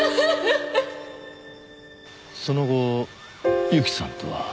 その後侑希さんとは？